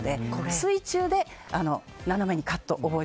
水中で斜めにカット。